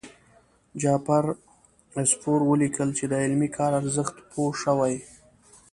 جابر عصفور ولیکل چې د علمي کار ارزښت پوه شوي.